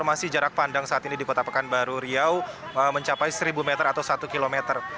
masih jarak pandang saat ini di kota pekanbaru riau mencapai seribu meter atau satu kilometer